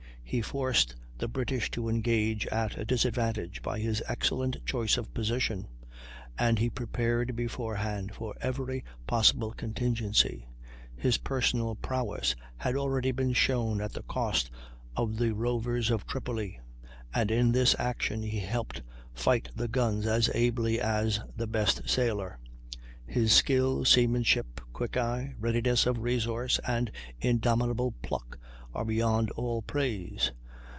He forced the British to engage at a disadvantage by his excellent choice of position; and he prepared beforehand for every possible contingency. His personal prowess had already been shown at the cost of the rovers of Tripoli, and in this action he helped fight the guns as ably as the best sailor. His skill, seamanship, quick eye, readiness of resource, and indomitable pluck, are beyond all praise.